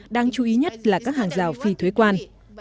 đáng chú ý nhất là các hàng rào phi thuế quan